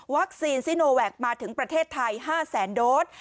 วัคซีนซิโนแวกมาถึงประเทศไทยห้าแสนโดรส